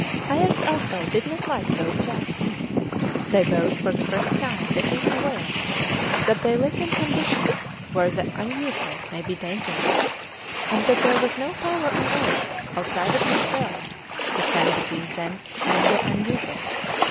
Kayerts also did not like those chaps. They both, for the first time, became aware that they lived in conditions where the unusual may be dangerous, and that there was no power on earth outside of themselves to stand between them and the unusual.